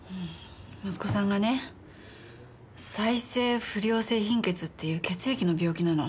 息子さんがね再生不良性貧血っていう血液の病気なの。